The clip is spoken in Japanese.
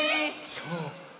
そう。